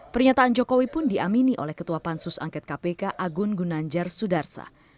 pernyataan jokowi pun diamini oleh ketua pansus angket kpk agun gunanjar sudarsa